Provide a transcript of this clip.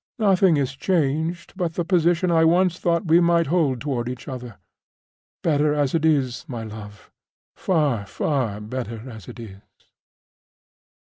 Nothing is changed but the position I once thought we might hold toward each other. Better as it is, my love—far, far better as it is!"